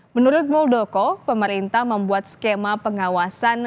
menurut muldoko pemerintah membuat skema pengawasan